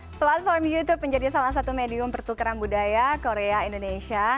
hai platform youtube menjadi salah satu medium pertukaran budaya korea indonesia